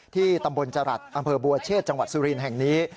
ที่ตำบลจรัสอำเภอบัวเชษจังหวัดสุรินทร์แห่งนี้